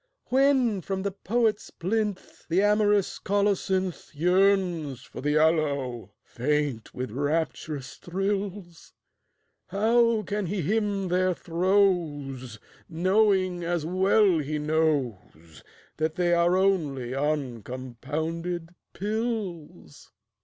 When from the poet's plinth The amorous colocynth Yearns for the aloe, faint with rapturous thrills, How can he hymn their throes Knowing, as well he knows, That they are only uncompounded pills?